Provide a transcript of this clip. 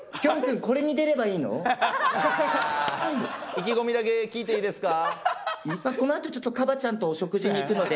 意気込みだけ聞いていいですか？